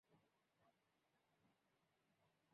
জাপানের আত্মসমর্পণের পর নু সাময়িকভাবে রাজনীতি থেকে দূরে থাকেন।